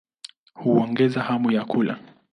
Huongeza hamu ya kula.